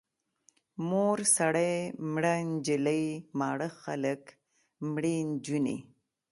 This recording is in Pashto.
مور سړی، مړه نجلۍ، ماړه خلک، مړې نجونې.